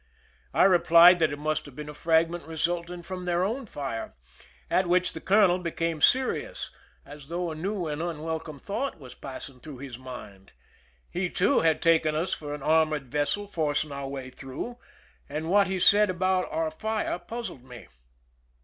I replied that it must have been a fragment resulting from their own fire ; at which the colonel became serious, as though a new and unwelcome thought was passing through his mind. He too had taken us for an armored vessel forcing our way through, and what he said about our fire puzzled me.